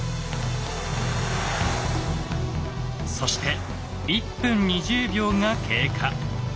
そして１分２０秒が経過。